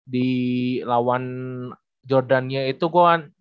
di lawan jodan nya itu gua kan